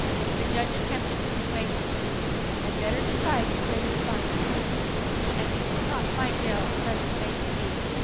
The judge attempted persuasion. "You had better decide to pay your fines," he ventured. And "you will not find jail a pleasant place to be."